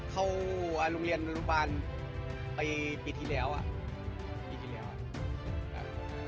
เขาอ่าลุงเรียนบรรดีบ้านไปปีที่แล้วอ่ะปีที่แล้วอ่ะอ่า